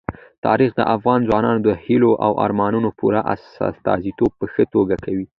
تاریخ د افغان ځوانانو د هیلو او ارمانونو پوره استازیتوب په ښه توګه کوي.